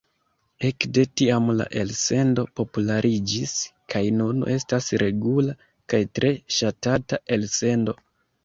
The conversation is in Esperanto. Ekde tiam la elsendo populariĝis kaj nun estas regula kaj tre ŝatata elsendo.